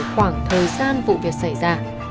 khoảng thời gian vụ việc xảy ra